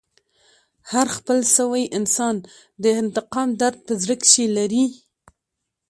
هر خپل سوی انسان د انتقام درد په زړه کښي لري.